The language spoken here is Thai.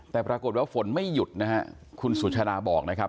แต่ปรากฏว่าฝนไม่หยุดนะฮะคุณสุชาดาบอกนะครับ